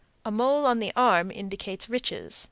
A mole on the arm indicates riches.